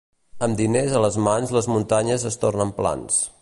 Amb diners a les mans les muntanyes es tornen plans.